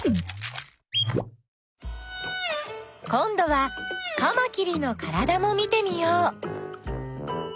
こんどはカマキリのからだも見てみよう。